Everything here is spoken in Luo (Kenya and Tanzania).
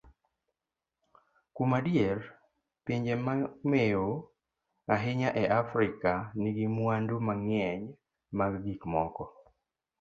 Kuom adier, pinje momewo ahinya e Afrika nigi mwandu mang'eny mag gik moko.